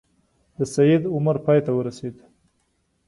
د سید عمر پای ته ورسېد.